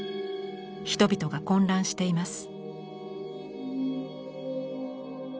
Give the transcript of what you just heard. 人々が混乱しています。